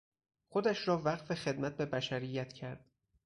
خودش را وقف خدمت به بشریت کرد.